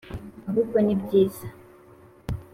ahubwo ni byiza